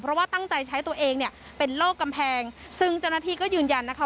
เพราะว่าตั้งใจใช้ตัวเองเนี่ยเป็นโรคกำแพงซึ่งเจ้าหน้าที่ก็ยืนยันนะคะ